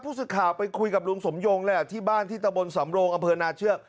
สึกข่าวไปคุยกับลุงสมยงแหละที่บ้านที่ตะบนสำโรงอำเภอนาเชือก